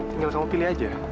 tinggal kamu pilih aja